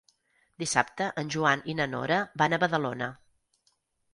Dissabte en Joan i na Nora van a Badalona.